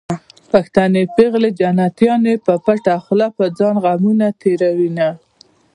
پښتنې پېغلې جنتيانې په پټه خوله په ځان غمونه تېروينه